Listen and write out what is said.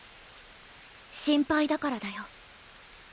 心配だからだよ。